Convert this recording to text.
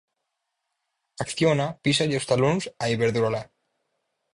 Acciona písalle os talóns a Iberdrola.